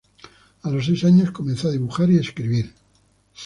A los seis años comenzó a dibujar y escribir.